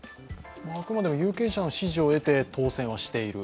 あくまでも有権者の支持を得て当選をしている。